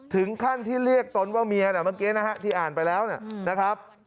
ถึงขั้นที่เรียกต้นว่าเมียที่อ่านไปแล้วนะครับ